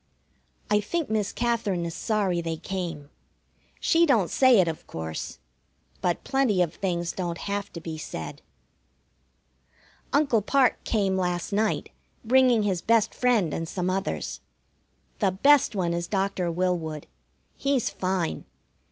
I think Miss Katherine is sorry they came. She don't say it, of course, but plenty of things don't have to be said. Uncle Parke came last night, bringing his best friend and some others. The best one is Doctor Willwood. He's fine.